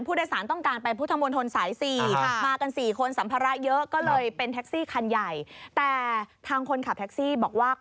ผู้โดยศาลต้องการไปอบ